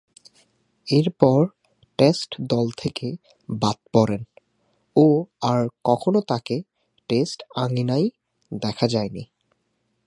এরপর টেস্ট দল থেকে বাদ পড়েন ও আর কখনো তাকে টেস্ট আঙ্গিনায় দেখা যায়নি।